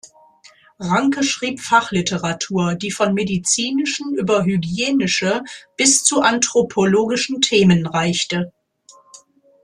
Ranke schrieb Fachliteratur, die von medizinischen, über hygienische bis zu anthropologischen Themen reichte.